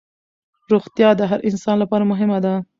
روغتیا د هر انسان لپاره مهمه ده